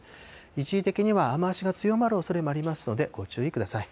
一時的には雨足が強まるおそれもありますので、ご注意ください。